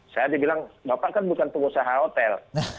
saya dibilang bapak kan bukan pengusaha hotel